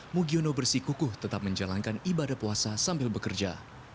mugiono bersikukuh tetap menjalankan ibadah puasa sambil bekerja